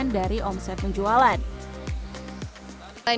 dari omset penjualan